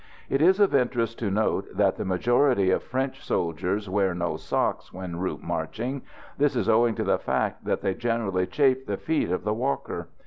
It is of interest to note that the majority of French soldiers wear no socks when route marching; this is owing to the fact that they generally chafe the feet of the walker.